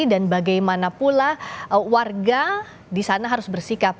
dan bagaimana pula warga di sana harus bersikap